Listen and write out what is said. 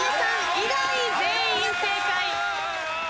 以外全員正解。